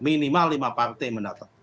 minimal lima partai mendatang